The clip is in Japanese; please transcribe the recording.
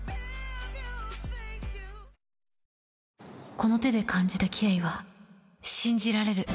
この手で感じたキレイは信じられる。